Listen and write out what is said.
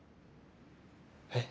えっ。